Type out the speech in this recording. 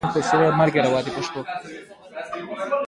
ایا زه باید سړه ډوډۍ وخورم؟